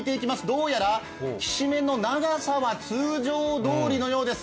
どうやらきしめんの長さは通常どおりのようです。